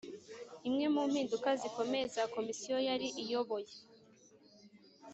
Imwe mu mpinduka zikomeye za Komisiyo yari iyoboye